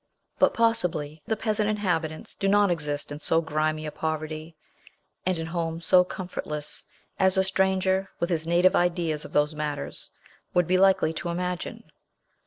But possibly the peasant inhabitants do not exist in so grimy a poverty, and in homes so comfortless, as a stranger, with his native ideas of those matters, would be likely to imagine.